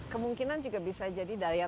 kemungkinan juga bisa jadi daya